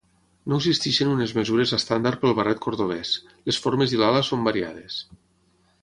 No existeixen unes mesures estàndard pel barret cordovès, les formes i l'ala són variades.